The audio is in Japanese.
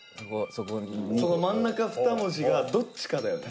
その真ん中２文字がどっちかだよね。